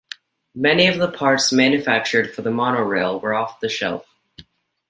Many of the parts manufactured for the monorail were off-the-shelf.